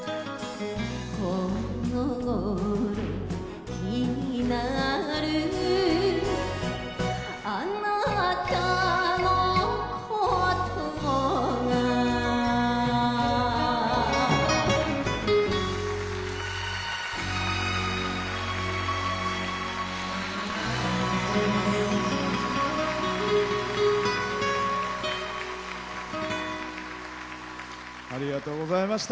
この頃気になるあなたのことがありがとうございました。